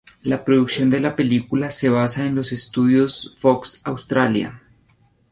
La producción de la película se basa en los estudios Fox Australia.